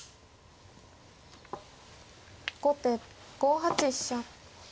後手５八飛車。